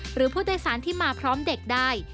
หรือผู้โดยสารที่มาพร้อมเด็กได้